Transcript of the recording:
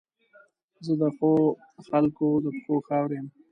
زه د ښو خلګو د پښو خاورې یم.